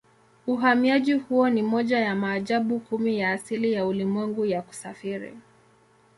Uhamiaji huo ni moja ya maajabu kumi ya asili ya ulimwengu ya kusafiri.